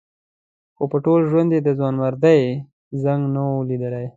خو په ټول ژوند یې د ځوانمردۍ زنګ نه و لیدلی.